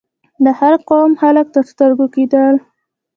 د هر قوم خلک تر سترګو کېدل.